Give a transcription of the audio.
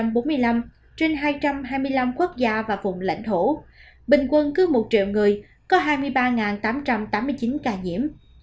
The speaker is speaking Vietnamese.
việt nam đứng thứ một trăm bốn mươi năm trên hai trăm hai mươi năm quốc gia và vùng lãnh thổ bình quân cứ một triệu người có hai mươi ba tám trăm tám mươi chín ca nhiễm